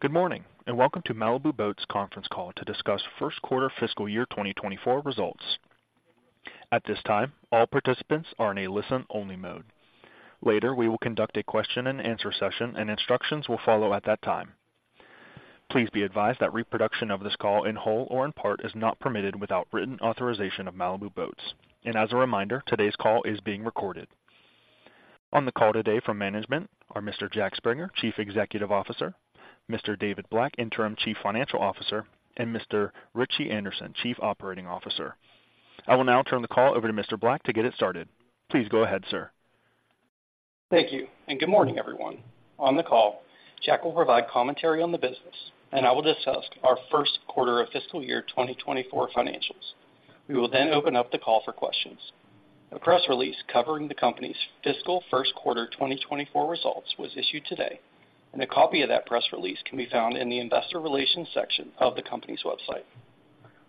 Good morning, and welcome to Malibu Boats Conference Call to discuss First Quarter Fiscal Year 2024 results. At this time, all participants are in a listen-only mode. Later, we will conduct a question-and-answer session, and instructions will follow at that time. Please be advised that reproduction of this call, in whole or in part, is not permitted without written authorization of Malibu Boats. And as a reminder, today's call is being recorded. On the call today from management are Mr. Jack Springer, Chief Executive Officer, Mr. David Black, Interim Chief Financial Officer, and Mr. Ritchie Anderson, Chief Operating Officer. I will now turn the call over to Mr. Black to get it started. Please go ahead, sir. Thank you, and good morning, everyone. On the call, Jack will provide commentary on the business, and I will discuss our first quarter of fiscal year 2024 financials. We will then open up the call for questions. A press release covering the company's fiscal first quarter 2024 results was issued today, and a copy of that press release can be found in the investor relations section of the company's website.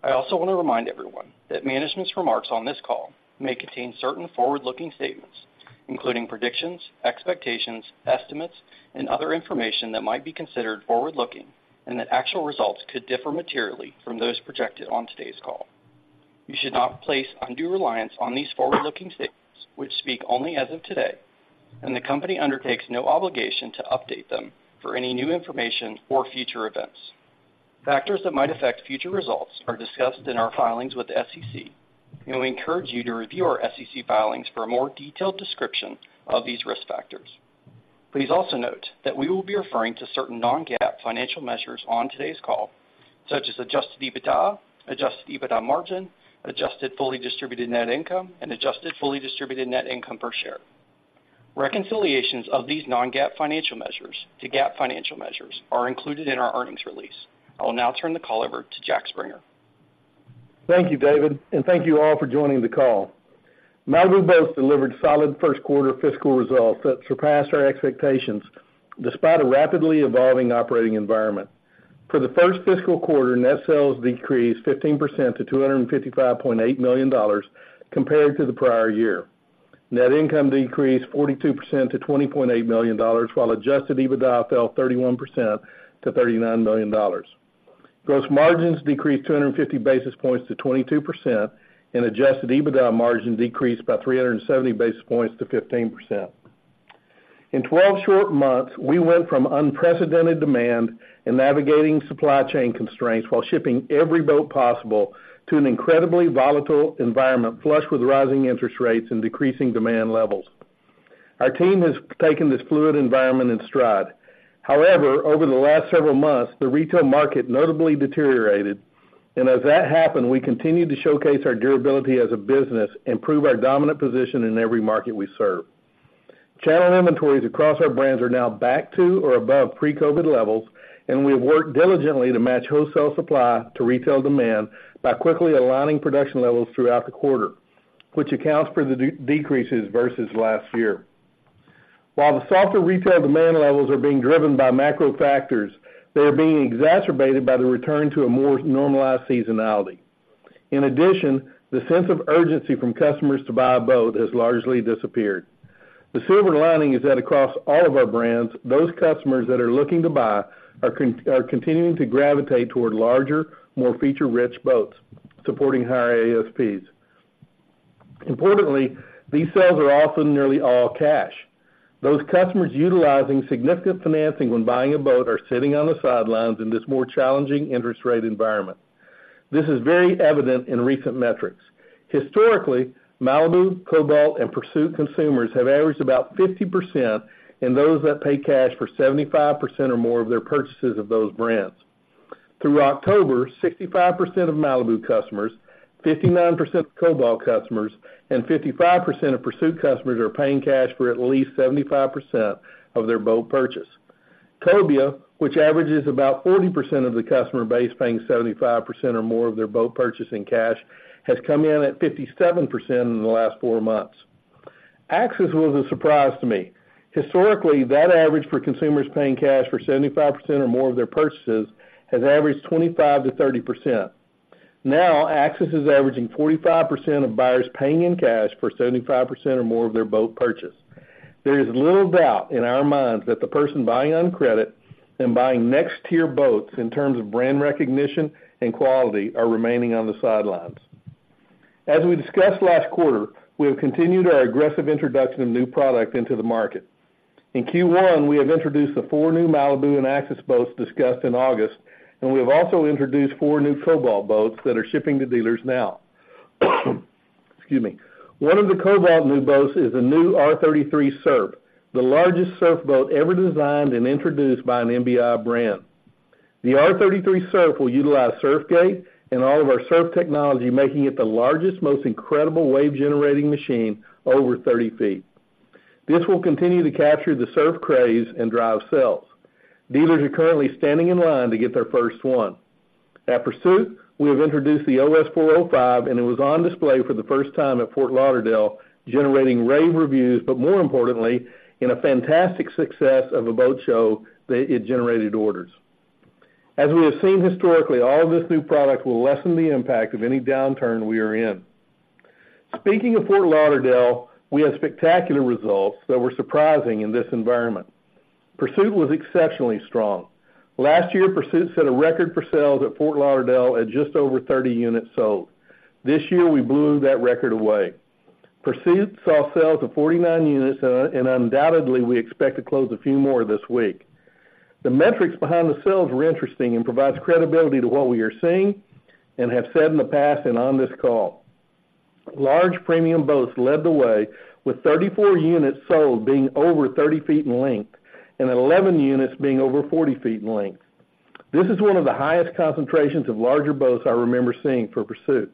I also want to remind everyone that management's remarks on this call may contain certain forward-looking statements, including predictions, expectations, estimates, and other information that might be considered forward-looking, and that actual results could differ materially from those projected on today's call. You should not place undue reliance on these forward-looking statements, which speak only as of today, and the company undertakes no obligation to update them for any new information or future events. Factors that might affect future results are discussed in our filings with the SEC, and we encourage you to review our SEC filings for a more detailed description of these risk factors. Please also note that we will be referring to certain Non-GAAP financial measures on today's call, such as Adjusted EBITDA, Adjusted EBITDA Margin, Adjusted Fully Distributed Net Income, and Adjusted Fully Distributed Net Income per share. Reconciliations of these Non-GAAP financial measures to GAAP financial measures are included in our earnings release. I will now turn the call over to Jack Springer. Thank you, David, and thank you all for joining the call. Malibu Boats delivered solid first quarter fiscal results that surpassed our expectations despite a rapidly evolving operating environment. For the first fiscal quarter, net sales decreased 15% to $255.8 million compared to the prior year. Net income decreased 42% to $20.8 million, while adjusted EBITDA fell 31% to $39 million. Gross margins decreased 250 basis points to 22%, and adjusted EBITDA margin decreased by 370 basis points to 15%. In twelve short months, we went from unprecedented demand and navigating supply chain constraints while shipping every boat possible to an incredibly volatile environment, flush with rising interest rates and decreasing demand levels. Our team has taken this fluid environment in stride. However, over the last several months, the retail market notably deteriorated, and as that happened, we continued to showcase our durability as a business and prove our dominant position in every market we serve. Channel inventories across our brands are now back to or above pre-COVID levels, and we have worked diligently to match wholesale supply to retail demand by quickly aligning production levels throughout the quarter, which accounts for the decreases versus last year. While the softer retail demand levels are being driven by macro factors, they are being exacerbated by the return to a more normalized seasonality. In addition, the sense of urgency from customers to buy a boat has largely disappeared. The silver lining is that across all of our brands, those customers that are looking to buy are continuing to gravitate toward larger, more feature-rich boats, supporting higher ASPs. Importantly, these sales are often nearly all cash. Those customers utilizing significant financing when buying a boat are sitting on the sidelines in this more challenging interest rate environment. This is very evident in recent metrics. Historically, Malibu, Cobalt, and Pursuit consumers have averaged about 50%, and those that pay cash for 75% or more of their purchases of those brands. Through October, 65% of Malibu customers, 59% of Cobalt customers, and 55% of Pursuit customers are paying cash for at least 75% of their boat purchase. Cobia, which averages about 40% of the customer base, paying 75% or more of their boat purchase in cash, has come in at 57% in the last four months. Axis was a surprise to me. Historically, that average for consumers paying cash for 75% or more of their purchases has averaged 25%-30%. Now, Axis is averaging 45% of buyers paying in cash for 75% or more of their boat purchase. There is little doubt in our minds that the person buying on credit and buying next-tier boats in terms of brand recognition and quality are remaining on the sidelines. As we discussed last quarter, we have continued our aggressive introduction of new product into the market. In Q1, we have introduced the 4 new Malibu and Axis boats discussed in August, and we have also introduced 4 new Cobalt boats that are shipping to dealers now. Excuse me. One of the Cobalt new boats is the new R33 Surf, the largest surf boat ever designed and introduced by an MBI brand. The R33 Surf will utilize Surf Gate and all of our surf technology, making it the largest, most incredible wave-generating machine over 30 feet. This will continue to capture the surf craze and drive sales. Dealers are currently standing in line to get their first one. At Pursuit, we have introduced the OS 405, and it was on display for the first time at Fort Lauderdale, generating rave reviews, but more importantly, in a fantastic success of a boat show, that it generated orders. As we have seen historically, all this new product will lessen the impact of any downturn we are in. Speaking of Fort Lauderdale, we had spectacular results that were surprising in this environment. Pursuit was exceptionally strong. Last year, Pursuit set a record for sales at Fort Lauderdale at just over 30 units sold. This year, we blew that record away. Pursuit saw sales of 49 units, and undoubtedly, we expect to close a few more this week. The metrics behind the sales were interesting and provides credibility to what we are seeing and have said in the past and on this call. Large premium boats led the way, with 34 units sold being over 30 feet in length and 11 units being over 40 feet in length. This is one of the highest concentrations of larger boats I remember seeing for Pursuit.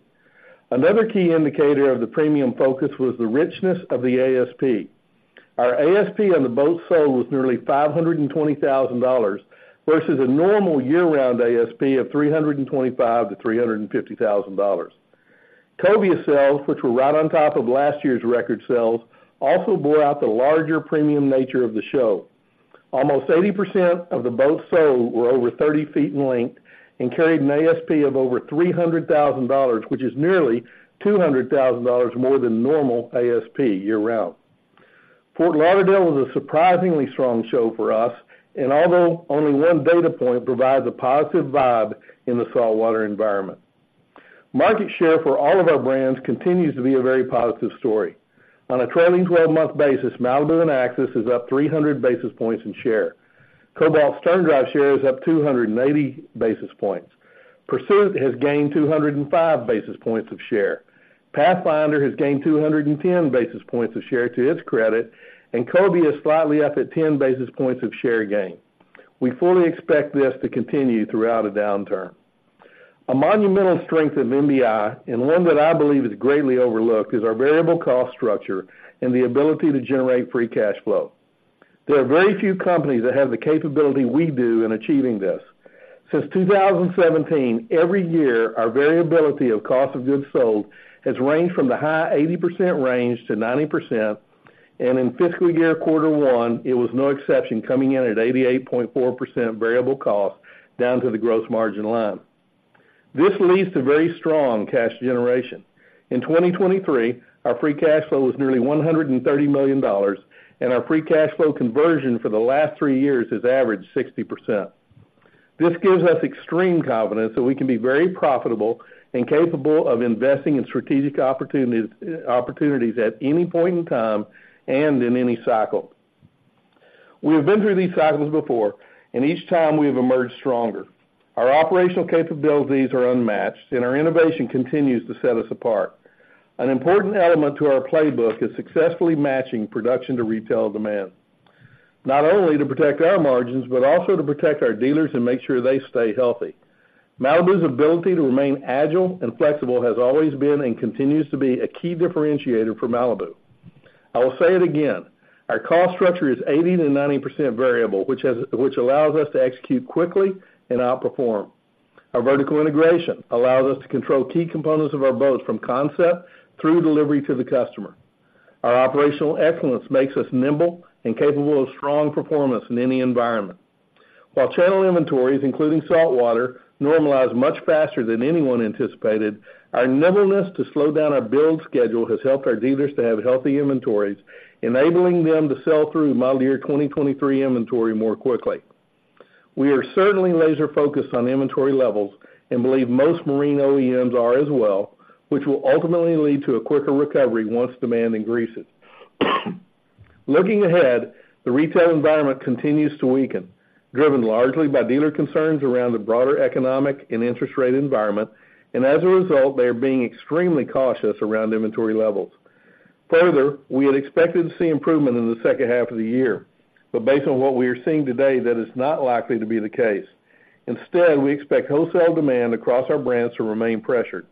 Another key indicator of the premium focus was the richness of the ASP. Our ASP on the boats sold was nearly $520,000, versus a normal year-round ASP of $325,000-$350,000. Cobia sales, which were right on top of last year's record sales, also bore out the larger premium nature of the show. Almost 80% of the boats sold were over 30 feet in length and carried an ASP of over $300,000, which is nearly $200,000 more than normal ASP year-round. Fort Lauderdale was a surprisingly strong show for us, and although only one data point provides a positive vibe in the saltwater environment, market share for all of our brands continues to be a very positive story. On a trailing twelve-month basis, Malibu and Axis is up 300 basis points in share. Cobalt sterndrive share is up 280 basis points. Pursuit has gained 205 basis points of share. Pathfinder has gained 210 basis points of share to its credit, and Cobia is slightly up at 10 basis points of share gain. We fully expect this to continue throughout a downturn. A monumental strength of MBI, and one that I believe is greatly overlooked, is our variable cost structure and the ability to generate free cash flow. There are very few companies that have the capability we do in achieving this. Since 2017, every year, our variability of cost of goods sold has ranged from the high 80% range to 90%, and in fiscal year quarter one, it was no exception, coming in at 88.4% variable cost down to the gross margin line. This leads to very strong cash generation. In 2023, our free cash flow was nearly $130 million, and our free cash flow conversion for the last three years has averaged 60%. This gives us extreme confidence that we can be very profitable and capable of investing in strategic opportunities, opportunities at any point in time and in any cycle. We have been through these cycles before, and each time we have emerged stronger. Our operational capabilities are unmatched, and our innovation continues to set us apart. An important element to our playbook is successfully matching production to retail demand, not only to protect our margins, but also to protect our dealers and make sure they stay healthy. Malibu's ability to remain agile and flexible has always been and continues to be a key differentiator for Malibu. I will say it again, our cost structure is 80%-90% variable, which allows us to execute quickly and outperform. Our vertical integration allows us to control key components of our boats from concept through delivery to the customer. Our operational excellence makes us nimble and capable of strong performance in any environment. While channel inventories, including saltwater, normalize much faster than anyone anticipated, our nimbleness to slow down our build schedule has helped our dealers to have healthy inventories, enabling them to sell through model year 2023 inventory more quickly. We are certainly laser-focused on inventory levels and believe most marine OEMs are as well, which will ultimately lead to a quicker recovery once demand increases. Looking ahead, the retail environment continues to weaken, driven largely by dealer concerns around the broader economic and interest rate environment, and as a result, they are being extremely cautious around inventory levels. Further, we had expected to see improvement in the second half of the year, but based on what we are seeing today, that is not likely to be the case. Instead, we expect wholesale demand across our brands to remain pressured.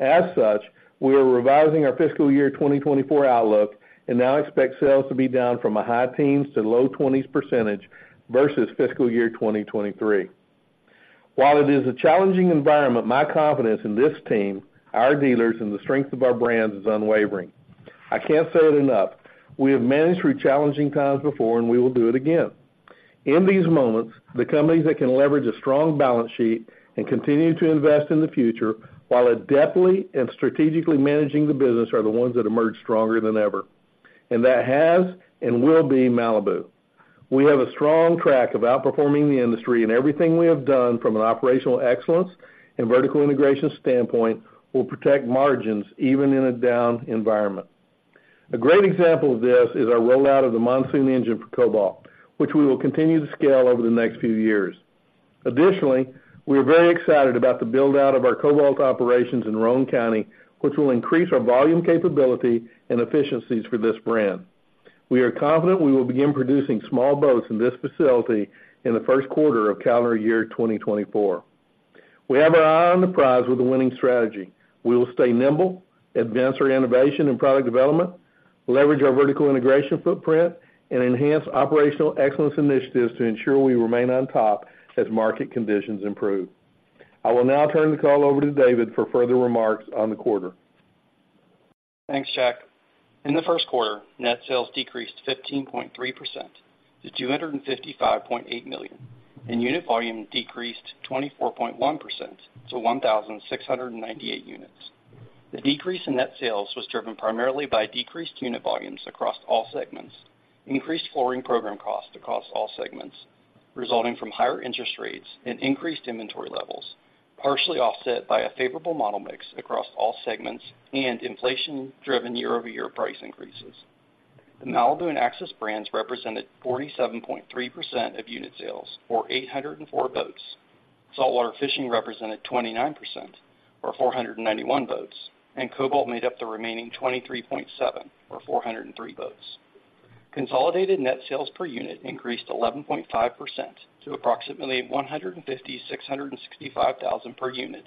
As such, we are revising our fiscal year 2024 outlook and now expect sales to be down high teens-low twenties % versus fiscal year 2023. While it is a challenging environment, my confidence in this team, our dealers, and the strength of our brands is unwavering. I can't say it enough, we have managed through challenging times before, and we will do it again. In these moments, the companies that can leverage a strong balance sheet and continue to invest in the future while adeptly and strategically managing the business, are the ones that emerge stronger than ever. That has and will be Malibu. We have a strong track of outperforming the industry, and everything we have done from an operational excellence and vertical integration standpoint will protect margins even in a down environment. A great example of this is our rollout of the Monsoon engine for Cobalt, which we will continue to scale over the next few years. Additionally, we are very excited about the build-out of our Cobalt operations in Roane County, which will increase our volume capability and efficiencies for this brand. We are confident we will begin producing small boats in this facility in the first quarter of calendar year 2024. We have our eye on the prize with a winning strategy. We will stay nimble, advance our innovation and product development, leverage our vertical integration footprint, and enhance operational excellence initiatives to ensure we remain on top as market conditions improve. I will now turn the call over to David for further remarks on the quarter. Thanks, Jack. In the first quarter, net sales decreased 15.3% to $255.8 million, and unit volume decreased 24.1% to 1,698 units. The decrease in net sales was driven primarily by decreased unit volumes across all segments, increased flooring program costs across all segments, resulting from higher interest rates and increased inventory levels, partially offset by a favorable model mix across all segments and inflation-driven year-over-year price increases. The Malibu and Axis brands represented 47.3% of unit sales or 804 boats. Saltwater fishing represented 29% or 491 boats, and Cobalt made up the remaining 23.7% or 403 boats. Consolidated net sales per unit increased 11.5% to approximately 156,665 per unit,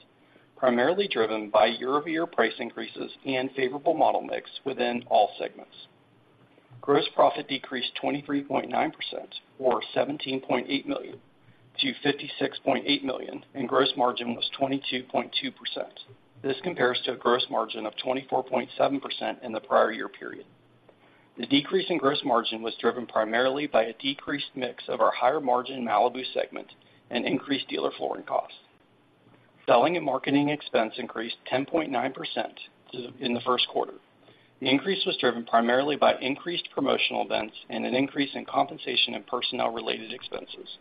primarily driven by year-over-year price increases and favorable model mix within all segments. Gross profit decreased 23.9% or $17.8 million to $56.8 million, and gross margin was 22.2%. This compares to a gross margin of 24.7% in the prior year period. The decrease in gross margin was driven primarily by a decreased mix of our higher-margin Malibu segment and increased dealer flooring costs. Selling and marketing expense increased 10.9% in the first quarter. The increase was driven primarily by increased promotional events and an increase in compensation and personnel-related expenses.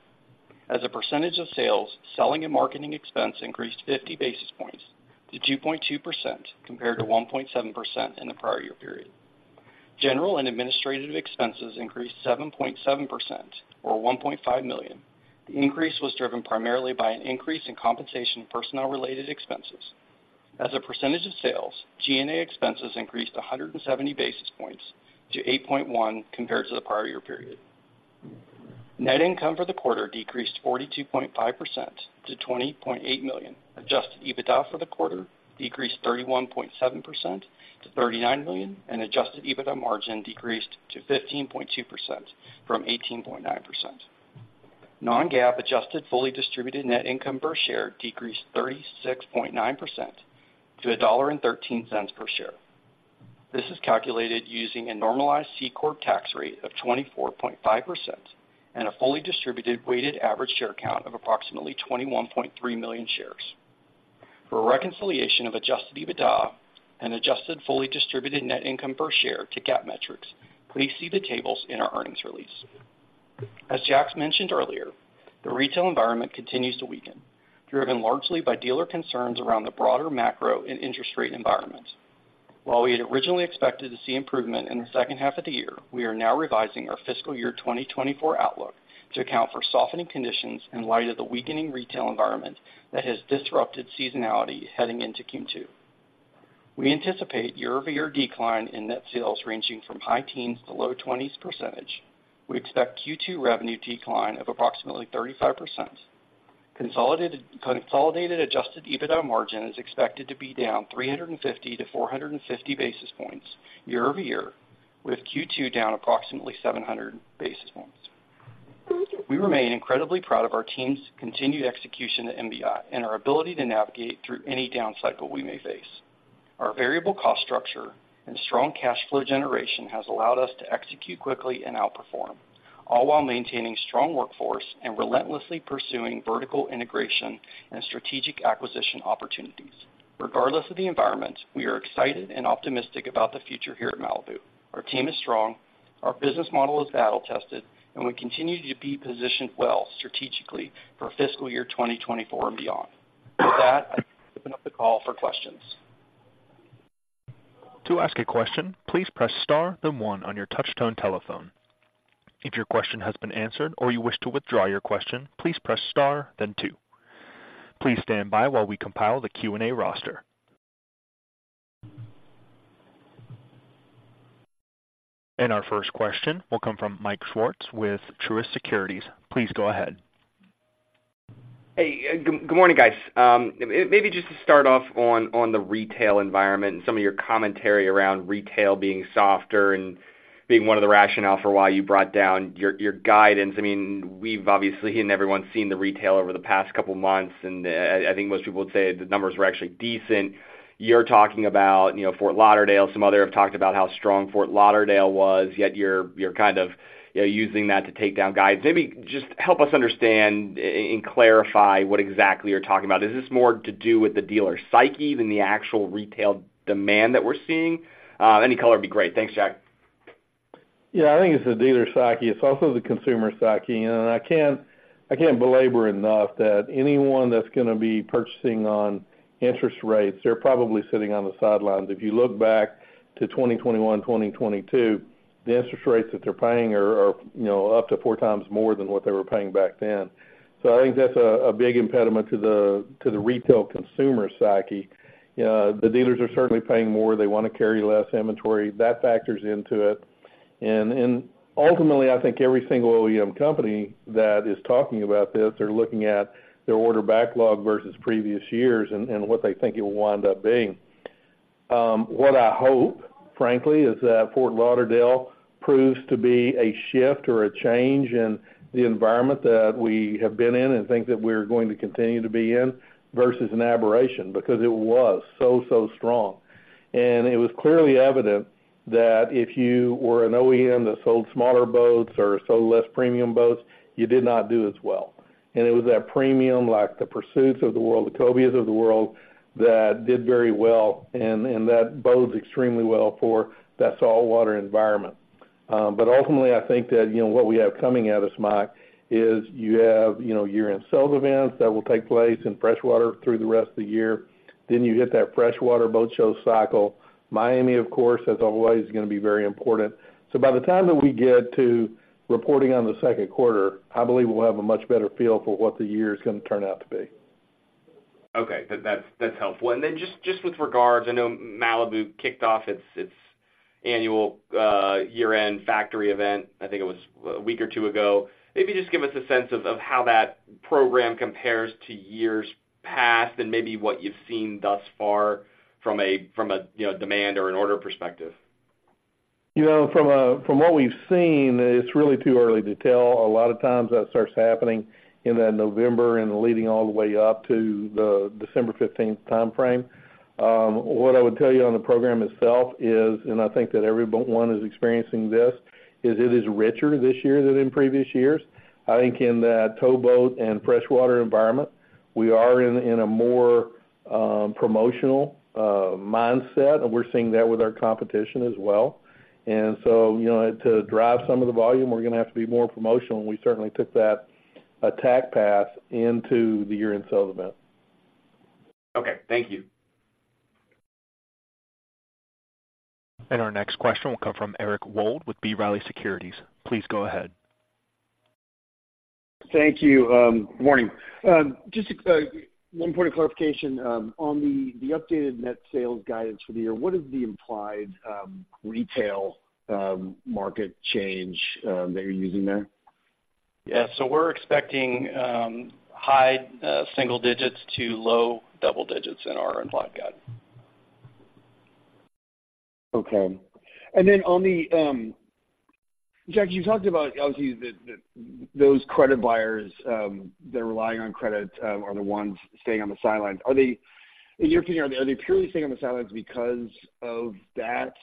As a percentage of sales, selling and marketing expense increased 50 basis points to 2.2%, compared to 1.7% in the prior year period. General and administrative expenses increased 7.7% or $1.5 million. The increase was driven primarily by an increase in compensation, personnel-related expenses. As a percentage of sales, G&A expenses increased 170 basis points to 8.1% compared to the prior year period. Net income for the quarter decreased 42.5% to $20.8 million. Adjusted EBITDA for the quarter decreased 31.7% to $39 million, and adjusted EBITDA margin decreased to 15.2% from 18.9%. Non-GAAP adjusted fully distributed net income per share decreased 36.9% to $1.13 per share. This is calculated using a normalized C corp tax rate of 24.5% and a fully distributed weighted average share count of approximately 21.3 million shares. For a reconciliation of Adjusted EBITDA and Adjusted Fully Distributed Net Income per share to GAAP metrics, please see the tables in our earnings release. As Jack mentioned earlier, the retail environment continues to weaken, driven largely by dealer concerns around the broader macro and interest rate environment. While we had originally expected to see improvement in the second half of the year, we are now revising our fiscal year 2024 outlook to account for softening conditions in light of the weakening retail environment that has disrupted seasonality heading into Q2. We anticipate year-over-year decline in net sales ranging from high teens-low twenties %. We expect Q2 revenue decline of approximately 35%. Consolidated, consolidated Adjusted EBITDA margin is expected to be down 350-450 basis points year-over-year, with Q2 down approximately 700 basis points. We remain incredibly proud of our team's continued execution at MBI and our ability to navigate through any down cycle we may face. Our variable cost structure and strong cash flow generation has allowed us to execute quickly and outperform, all while maintaining strong workforce and relentlessly pursuing vertical integration and strategic acquisition opportunities. Regardless of the environment, we are excited and optimistic about the future here at Malibu. Our team is strong, our business model is battle-tested, and we continue to be positioned well strategically for fiscal year 2024 and beyond. With that, I open up the call for questions. To ask a question, please press Star, then one on your touchtone telephone. If your question has been answered or you wish to withdraw your question, please press Star, then two. Please stand by while we compile the Q&A roster. Our first question will come from Mike Swartz with Truist Securities. Please go ahead. Hey, good morning, guys. Maybe just to start off on the retail environment and some of your commentary around retail being softer and being one of the rationale for why you brought down your guidance. I mean, we've obviously, and everyone's seen the retail over the past couple of months, and I think most people would say the numbers were actually decent. You're talking about, you know, Fort Lauderdale. Some other have talked about how strong Fort Lauderdale was, yet you're kind of, you know, using that to take down guidance. Maybe just help us understand and clarify what exactly you're talking about. Is this more to do with the dealer psyche than the actual retail demand that we're seeing? Any color would be great. Thanks, Jack. Yeah, I think it's the dealer psyche. It's also the consumer psyche, and I can't, I can't belabor enough that anyone that's going to be purchasing on interest rates, they're probably sitting on the sidelines. If you look back to 2021, 2022, the interest rates that they're paying are, are, you know, up to four times more than what they were paying back then. So I think that's a, a big impediment to the, to the retail consumer psyche. The dealers are certainly paying more. They want to carry less inventory. That factors into it. And, and ultimately, I think every single OEM company that is talking about this are looking at their order backlog versus previous years and, and what they think it will wind up being. What I hope, frankly, is that Fort Lauderdale... proves to be a shift or a change in the environment that we have been in and think that we're going to continue to be in, versus an aberration, because it was so, so strong. And it was clearly evident that if you were an OEM that sold smaller boats or sold less premium boats, you did not do as well. And it was that premium, like the Pursuit of the world, the Cobia of the world, that did very well, and that bodes extremely well for that saltwater environment. But ultimately, I think that, you know, what we have coming [at this mark] is you have, you know, year-end sales events that will take place in freshwater through the rest of the year. Then you hit that freshwater boat show cycle. Miami, of course, as always, is gonna be very important. By the time that we get to reporting on the second quarter, I believe we'll have a much better feel for what the year is gonna turn out to be. Okay. That's helpful. And then just with regards, I know Malibu kicked off its annual year-end factory event. I think it was a week or two ago. Maybe just give us a sense of how that program compares to years past and maybe what you've seen thus far from a, you know, demand or an order perspective. You know, from, from what we've seen, it's really too early to tell. A lot of times that starts happening in that November and leading all the way up to the December fifteenth timeframe. What I would tell you on the program itself is, and I think that everyone is experiencing this, is it is richer this year than in previous years. I think in that towboat and freshwater environment, we are in a more promotional mindset, and we're seeing that with our competition as well. And so, you know, to drive some of the volume, we're gonna have to be more promotional, and we certainly took that attack path into the year-end sales event. Okay, thank you. Our next question will come from Eric Wold with B. Riley Securities. Please go ahead. Thank you. Good morning. Just one point of clarification on the updated net sales guidance for the year, what is the implied retail market change that you're using there? Yeah, so we're expecting high single digits to low double digits in our own pipeline. Okay. And then on the, Jack, you talked about, obviously, the those credit buyers that are relying on credit are the ones staying on the sidelines. Are they, in your opinion, purely staying on the sidelines because of that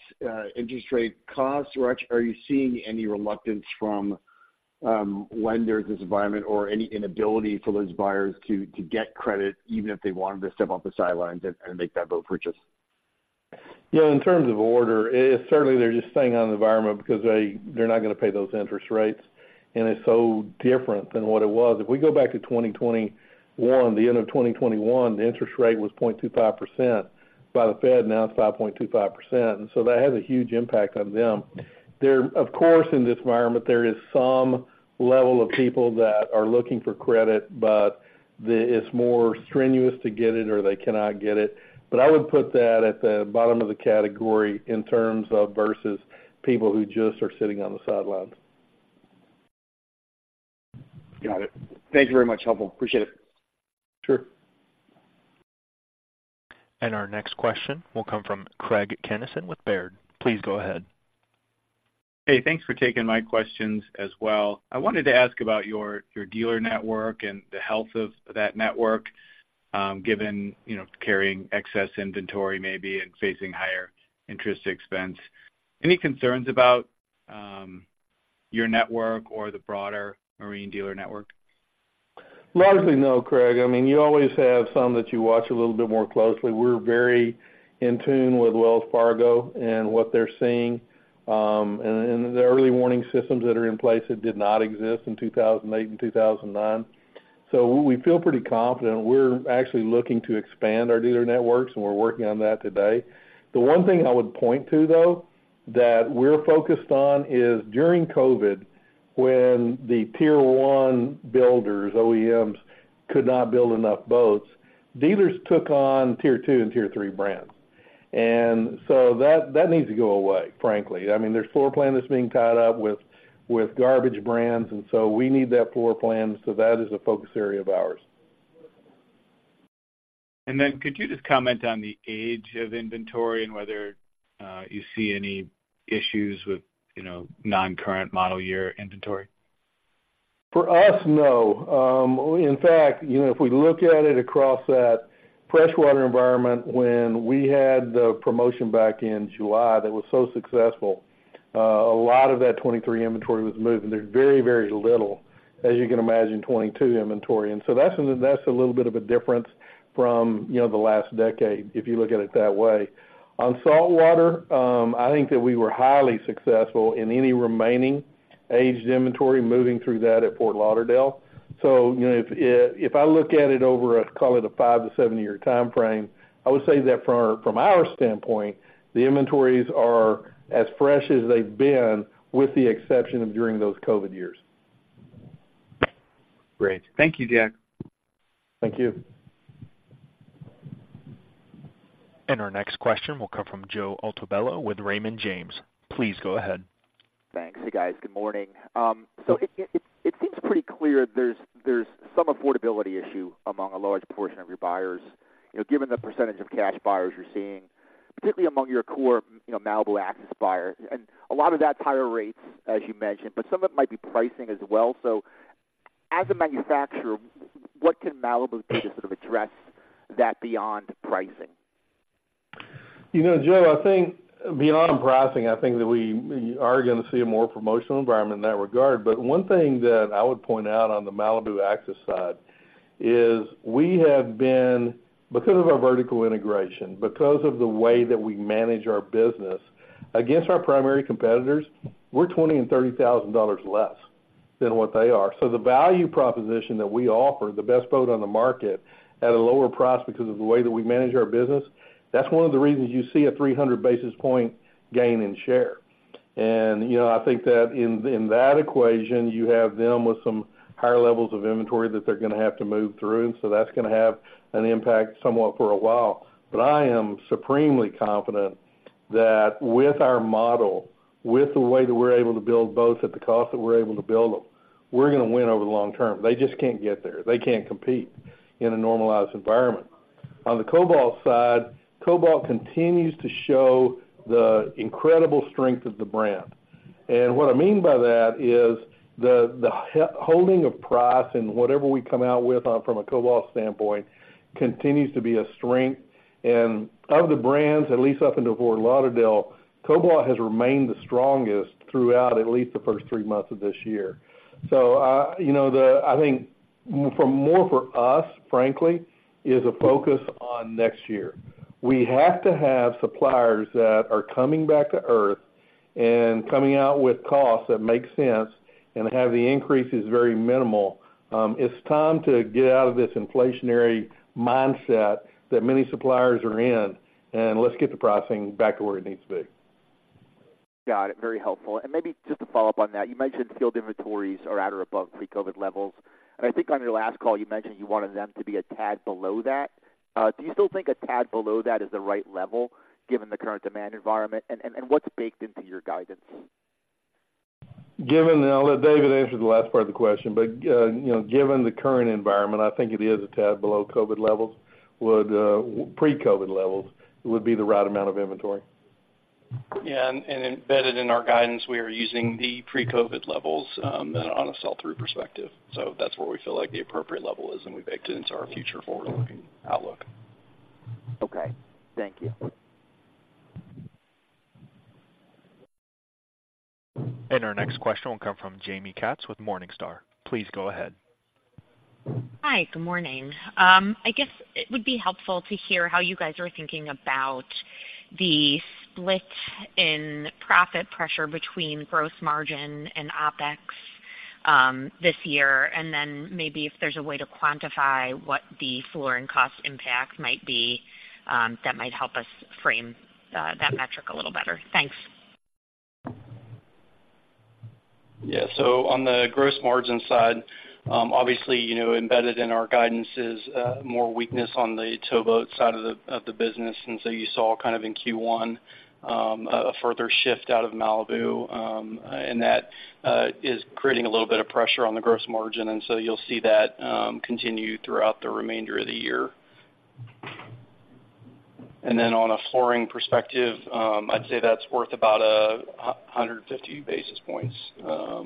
interest rate cost? Or actually, are you seeing any reluctance from lenders in this environment or any inability for those buyers to get credit, even if they wanted to step off the sidelines and make that boat purchase? Yeah, in terms of order, it's certainly they're just staying out of the environment because they, they're not gonna pay those interest rates, and it's so different than what it was. If we go back to 2021, the end of 2021, the interest rate was 0.25% by the Fed, now it's 5.25%, and so that has a huge impact on them. There, of course, in this environment, there is some level of people that are looking for credit, but it's more strenuous to get it or they cannot get it. But I would put that at the bottom of the category in terms of versus people who just are sitting on the sidelines. Got it. Thank you very much. Helpful. Appreciate it. Sure. Our next question will come from Craig Kennison with Baird. Please go ahead. Hey, thanks for taking my questions as well. I wanted to ask about your, your dealer network and the health of that network, given, you know, carrying excess inventory maybe and facing higher interest expense. Any concerns about, your network or the broader marine dealer network? Largely, no, Craig. I mean, you always have some that you watch a little bit more closely. We're very in tune with Wells Fargo and what they're seeing, and the early warning systems that are in place that did not exist in 2008 and 2009. So we feel pretty confident. We're actually looking to expand our dealer networks, and we're working on that today. The one thing I would point to, though, that we're focused on is during COVID, when the tier one builders, OEMs, could not build enough boats, dealers took on tier two and tier three brands. And so that needs to go away, frankly. I mean, there's floor plan that's being tied up with garbage brands, and so we need that floor plan, so that is a focus area of ours. And then could you just comment on the age of inventory and whether you see any issues with, you know, non-current model year inventory? For us, no. In fact, you know, if we look at it across that freshwater environment, when we had the promotion back in July that was so successful, a lot of that 2023 inventory was moved, and there's very, very little, as you can imagine, 2022 inventory. So that's a little bit of a difference from, you know, the last decade, if you look at it that way. On saltwater, I think that we were highly successful in any remaining aged inventory moving through that at Fort Lauderdale. So you know, if I look at it over, call it a 5-7-year timeframe, I would say that from our standpoint, the inventories are as fresh as they've been, with the exception of during those COVID years. Great. Thank you, Jack. Thank you. Our next question will come from Joe Altobello with Raymond James. Please go ahead. Thanks. Hey, guys, good morning. So it seems pretty clear there's some affordability issue among a large portion of your buyers. You know, given the percentage of cash buyers you're seeing, particularly among your core, you know, Malibu Axis buyers, and a lot of that's higher rates, as you mentioned, but some of it might be pricing as well. So as a manufacturer, what can Malibu do to sort of address that beyond pricing? You know, Joe, I think beyond pricing, I think that we, we are gonna see a more promotional environment in that regard. But one thing that I would point out on the Malibu Axis side is we have been, because of our vertical integration, because of the way that we manage our business, against our primary competitors, we're $20,000 and $30,000 less than what they are. So the value proposition that we offer, the best boat on the market at a lower price because of the way that we manage our business, that's one of the reasons you see a 300 basis point gain in share. And, you know, I think that in, in that equation, you have them with some higher levels of inventory that they're gonna have to move through, and so that's gonna have an impact somewhat for a while. But I am supremely confident that with our model, with the way that we're able to build boats at the cost that we're able to build them, we're gonna win over the long term. They just can't get there. They can't compete in a normalized environment. On the Cobalt side, Cobalt continues to show the incredible strength of the brand. And what I mean by that is the holding of price and whatever we come out with, from a Cobalt standpoint, continues to be a strength. And of the brands, at least up into Fort Lauderdale, Cobalt has remained the strongest throughout at least the first three months of this year. So, you know, I think more for us, frankly, is a focus on next year. We have to have suppliers that are coming back to Earth and coming out with costs that make sense and have the increases very minimal. It's time to get out of this inflationary mindset that many suppliers are in, and let's get the pricing back to where it needs to be. Got it. Very helpful. And maybe just to follow up on that, you mentioned field inventories are at or above pre-COVID levels, and I think on your last call, you mentioned you wanted them to be a tad below that. Do you still think a tad below that is the right level, given the current demand environment? And what's baked into your guidance? Given and I'll let David answer the last part of the question, but, you know, given the current environment, I think it is a tad below COVID levels. Pre-COVID levels would be the right amount of inventory. Yeah, and embedded in our guidance, we are using the pre-COVID levels, on a sell-through perspective. So that's where we feel like the appropriate level is, and we baked it into our future forward-looking outlook. Okay, thank you. Our next question will come from Jaime Katz with Morningstar. Please go ahead. Hi, good morning. I guess it would be helpful to hear how you guys are thinking about the split in profit pressure between gross margin and OpEx, this year, and then maybe if there's a way to quantify what the flooring cost impact might be, that might help us frame that metric a little better. Thanks. Yeah. So on the gross margin side, obviously, you know, embedded in our guidance is more weakness on the towboat side of the business. And so you saw kind of in Q1, a further shift out of Malibu, and that is creating a little bit of pressure on the gross margin, and so you'll see that continue throughout the remainder of the year. And then on a flooring perspective, I'd say that's worth about 150 basis points of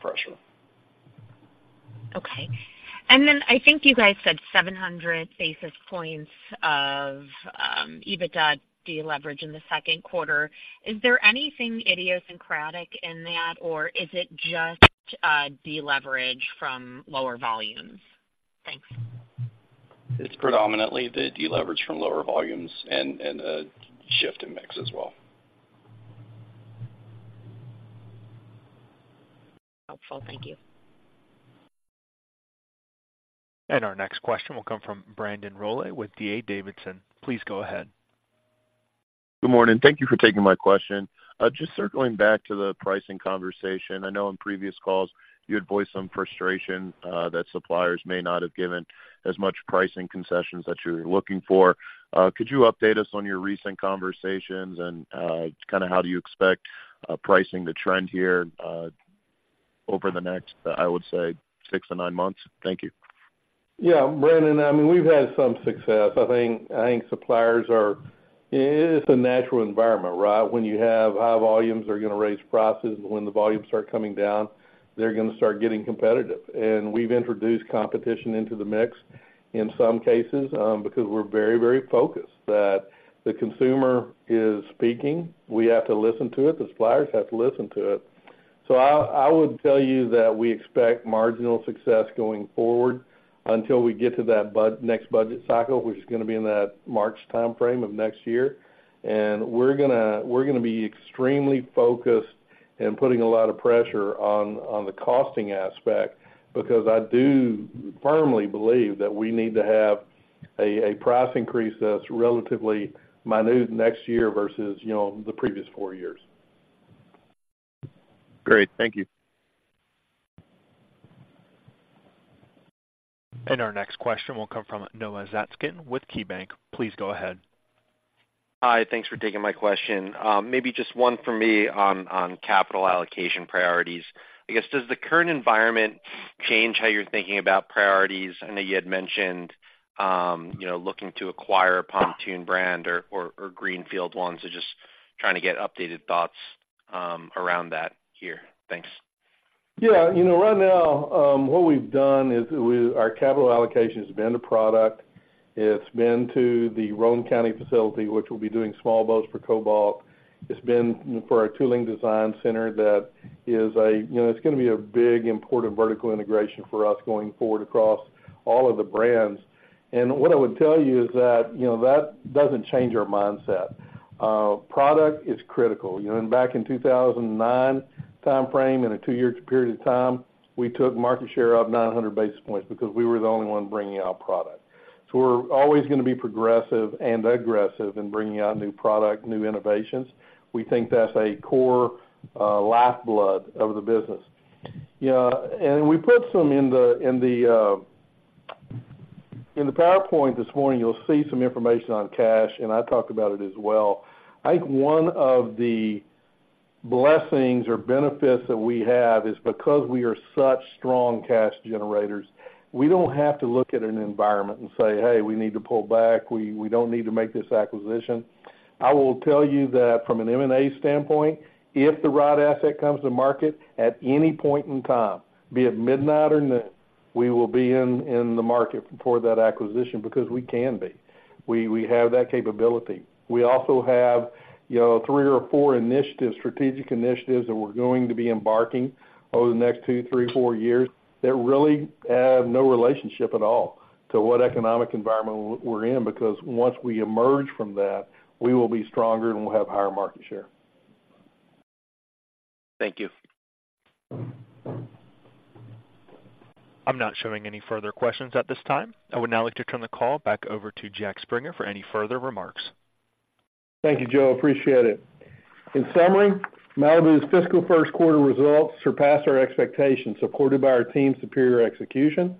pressure. Okay. And then I think you guys said 700 basis points of EBITDA deleverage in the second quarter. Is there anything idiosyncratic in that, or is it just deleverage from lower volumes? Thanks. It's predominantly the deleverage from lower volumes and a shift in mix as well. Helpful. Thank you. Our next question will come from Brandon Rolle with D.A. Davidson. Please go ahead. Good morning. Thank you for taking my question. Just circling back to the pricing conversation. I know in previous calls you had voiced some frustration that suppliers may not have given as much pricing concessions that you're looking for. Could you update us on your recent conversations and kind of how do you expect pricing to trend here over the next, I would say, six to nine months? Thank you. Yeah, Brandon, I mean, we've had some success. I think, I think suppliers are. It's a natural environment, right? When you have high volumes, they're gonna raise prices. When the volumes start coming down, they're gonna start getting competitive. And we've introduced competition into the mix in some cases because we're very, very focused that the consumer is speaking. We have to listen to it, the suppliers have to listen to it. So, I would tell you that we expect marginal success going forward until we get to that next budget cycle, which is gonna be in that March timeframe of next year. And we're gonna be extremely focused in putting a lot of pressure on the costing aspect, because I do firmly believe that we need to have a price increase that's relatively minute next year versus, you know, the previous four years. Great. Thank you. Our next question will come from Noah Zatzkin with KeyBanc. Please go ahead. Hi, thanks for taking my question. Maybe just one for me on capital allocation priorities. I guess, does the current environment change how you're thinking about priorities? I know you had mentioned, you know, looking to acquire a pontoon brand or greenfield ones. So just trying to get updated thoughts around that here. Thanks. Yeah. You know, right now, what we've done is our capital allocation has been to product. It's been to the Roane County facility, which will be doing small boats for Cobalt. It's been for our tooling design center. That is a, you know, it's gonna be a big important vertical integration for us going forward across all of the brands. And what I would tell you is that, you know, that doesn't change our mindset. Product is critical. You know, and back in 2009 timeframe, in a two-year period of time, we took market share of 900 basis points because we were the only one bringing out product. So we're always gonna be progressive and aggressive in bringing out new product, new innovations. We think that's a core lifeblood of the business. You know, and we put some in the PowerPoint this morning, you'll see some information on cash, and I talked about it as well. I think one of the blessings or benefits that we have is because we are such strong cash generators, we don't have to look at an environment and say, "Hey, we need to pull back. We don't need to make this acquisition." I will tell you that from an M&A standpoint, if the right asset comes to market at any point in time, be it midnight or noon, we will be in the market for that acquisition because we can be. We have that capability. We also have, you know, 3 or 4 initiatives, strategic initiatives, that we're going to be embarking over the next 2, 3, 4 years, that really have no relationship at all to what economic environment we're in, because once we emerge from that, we will be stronger and we'll have higher market share. Thank you. I'm not showing any further questions at this time. I would now like to turn the call back over to Jack Springer for any further remarks. Thank you, Joe. Appreciate it. In summary, Malibu's fiscal first quarter results surpassed our expectations, supported by our team's superior execution,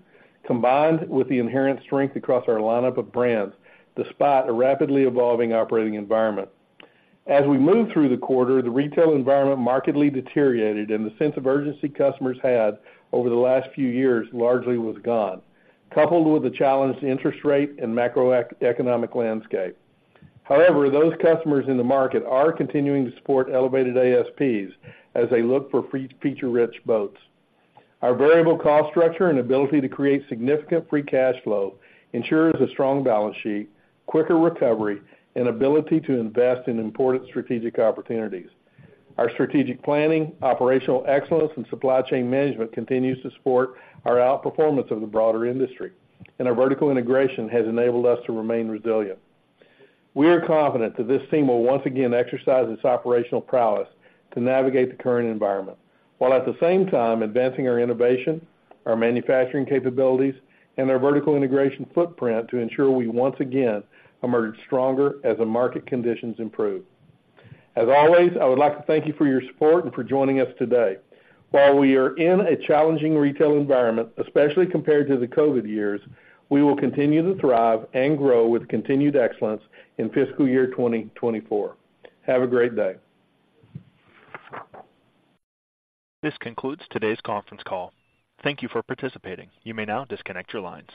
combined with the inherent strength across our lineup of brands, despite a rapidly evolving operating environment. As we moved through the quarter, the retail environment markedly deteriorated, and the sense of urgency customers had over the last few years largely was gone, coupled with the challenged interest rate and macroeconomic landscape. However, those customers in the market are continuing to support elevated ASPs as they look for feature-rich boats. Our variable cost structure and ability to create significant free cash flow ensures a strong balance sheet, quicker recovery, and ability to invest in important strategic opportunities. Our strategic planning, operational excellence, and supply chain management continues to support our outperformance of the broader industry, and our vertical integration has enabled us to remain resilient. We are confident that this team will once again exercise its operational prowess to navigate the current environment, while at the same time advancing our innovation, our manufacturing capabilities, and our vertical integration footprint to ensure we once again emerge stronger as the market conditions improve. As always, I would like to thank you for your support and for joining us today. While we are in a challenging retail environment, especially compared to the COVID years, we will continue to thrive and grow with continued excellence in fiscal year 2024. Have a great day. This concludes today's conference call. Thank you for participating. You may now disconnect your lines.